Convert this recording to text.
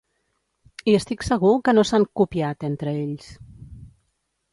I estic segur que no s’han ‘copiat’ entre ells.